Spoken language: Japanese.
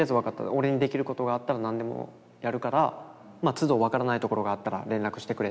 俺にできることがあったら何でもやるからつど分からないところがあったら連絡してくれ」